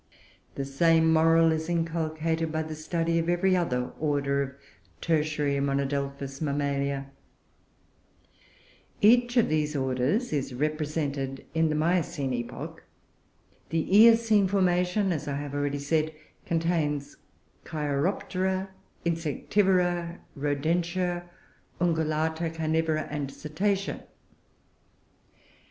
The same moral is inculcated by the study of every other order of Tertiary monodelphous Mammalia. Each of these orders is represented in the Miocene epoch: the Eocene formation, as I have already said, contains Cheiroptera, Insectivora, Rodentia, Ungulata, Carnivora, and Cetacea.